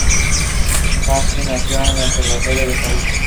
Cassini nació en el observatorio de París.